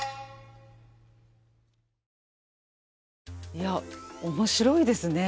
いや面白いですね。